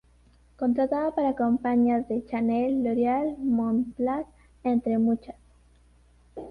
Contratada para campañas de Chanel, L'Oreal, Montblanc, entre muchas.